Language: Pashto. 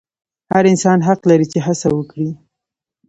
هر انسان حق لري چې هڅه وکړي.